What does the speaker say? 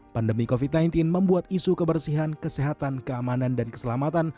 pandemi covid sembilan belas membuat isu kebersihan kesehatan keamanan dan keselamatan